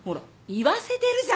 言わせてるじゃない。